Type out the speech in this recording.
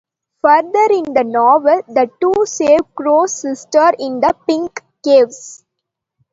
Further in the novel, the two save Kuros' sister in the pink caves.